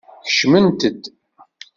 Kecmemt-d.